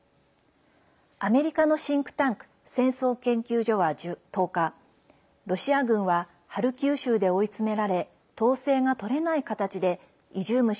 アメリカのシンクタンク戦争研究所は１０日ロシア軍はハルキウ州で追い詰められ統制が取れない形でイジューム